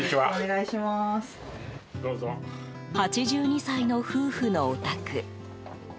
８２歳の夫婦のお宅。